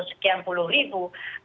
sekian puluh ribu